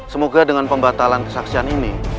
semoga dengan pembatalan kesaksian ini